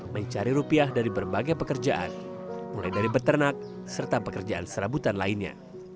mencari rupiah dari berbagai pekerjaan mulai dari beternak serta pekerjaan serabutan lainnya